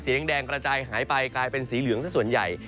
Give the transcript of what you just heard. แดงกระจายหายไปกลายเป็นสีเหลืองสักส่วนใหญ่